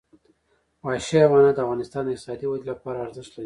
وحشي حیوانات د افغانستان د اقتصادي ودې لپاره ارزښت لري.